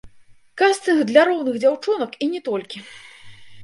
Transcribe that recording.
Кастынг для роўных дзяўчонак і не толькі!